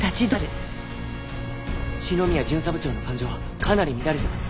篠宮巡査部長の感情かなり乱れてます。